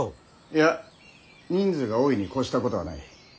いや人数が多いに越したことはない。